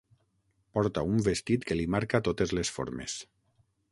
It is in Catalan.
Porta un vestit que li marca totes les formes.